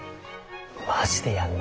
マジでやんの？